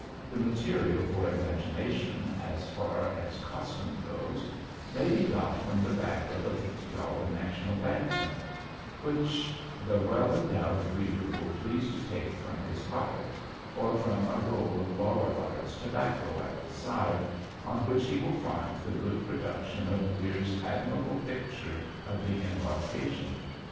The material for imagination, as far as costume goes, may be got from the back of a fifty dollar national bank note, which the well endowed reader will please take from his pocket, or from a roll of Lorillard's tobacco at his side, on which he will find the good reduction of Weir's admirable picture of the embarkation.